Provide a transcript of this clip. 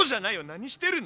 何してるの？